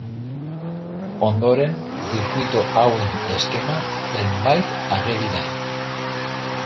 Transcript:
Ondoren zirkuitu hauen eskema zenbait ageri da.